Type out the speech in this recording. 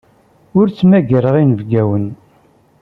Ur ttmagareɣ inebgawen.